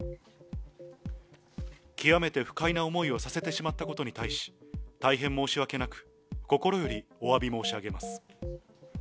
極めて不快な思いをさせてしまったことに対し、大変申し訳なく、心よりおわび申し上げます。